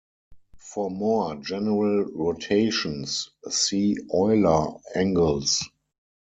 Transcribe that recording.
For more general rotations, see Euler angles.